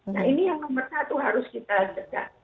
nah ini yang nomor satu harus kita cegah